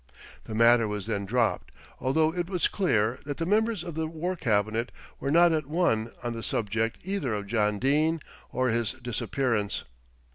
The matter was then dropped, although it was clear that the members of the War Cabinet were not at one on the subject either of John Dene or his disappearance.